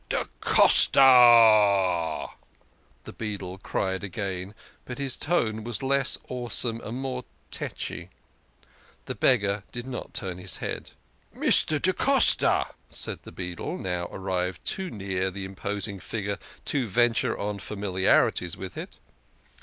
" Da Costa !" the beadle cried again, but his tone was less awesome and more tetchy. The beggar did not turn his head. THE KING OF SCHNORRERS. Ill " Mr. da Costa," said the beadle, now arrived too near the imposing figure to venture on familiarities with it.